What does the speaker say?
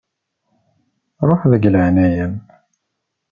Ruḥ, deg leεnaya-m.